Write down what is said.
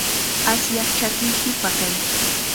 Asyaq chakiyki paqay.